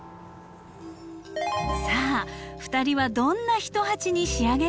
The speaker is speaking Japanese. さあ２人はどんな一鉢に仕上げるのでしょうか。